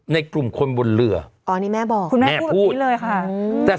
ในกลุ่มคนบนเรืออ๋อนี่แม่บอกคุณแม่พูดแบบนี้เลยค่ะ